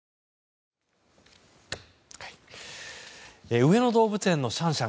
上野動物園のシャンシャン